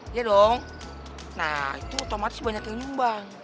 iya dong nah itu otomatis banyak yang nyumbang